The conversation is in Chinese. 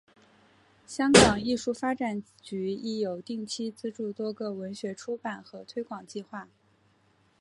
香港艺术发展局亦有定期资助多个文学出版和推广计划。